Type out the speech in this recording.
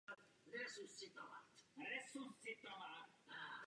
Podle obchodního rejstříku figuruje jako jednatel či spolumajitel v několik společnostech.